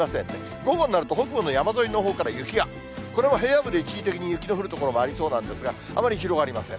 午後になると、北部の山沿いのほうから雪が、これも平野部で一時的に雪の降る所がありそうなんですが、あまり広がりません。